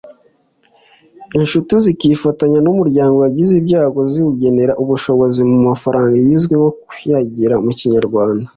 inshuti zikifatanya n’umuryango wagize ibyago ziwugenera ubushobozi mu mafaranga; ibizwi nko kuyagira mu kinyarwanda